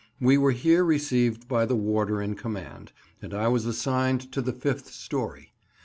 We were here received by the warder in command, and I was assigned to the fifth storey.